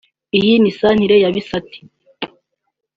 Iyi ni centre ya Bisate